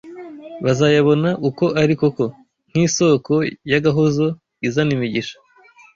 bazayabona uko ari koko, nk’isoko y’agahozo izana imigisha